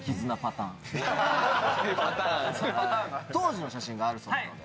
当時の写真があるそうなので。